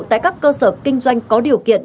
tại các cơ sở kinh doanh có điều kiện